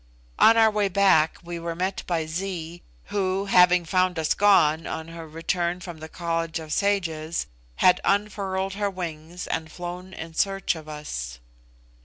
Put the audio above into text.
On our way back we were met by Zee, who, having found us gone, on her return from the College of Sages, had unfurled her wings and flown in search of us.